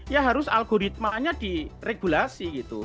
ya harus algoritmanya diregulasi gitu